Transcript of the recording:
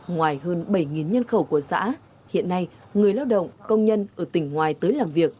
ngoài hơn bảy nhân khẩu của xã hiện nay người lao động công nhân ở tỉnh ngoài tới làm việc